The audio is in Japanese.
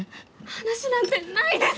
話なんてないです！